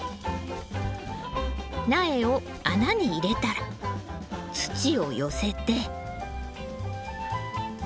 苗を穴に入れたら土を寄せて。